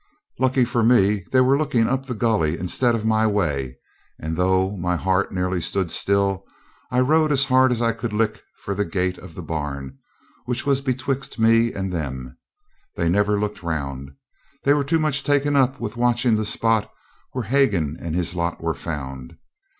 Lucky for me they were looking up the gully instead of my way, and, though my heart nearly stood still, I rode as hard as I could lick for the gate of the barn, which was betwixt me and them. They never looked round. They were too much taken up with watching the spot where Hagan and his lot were found.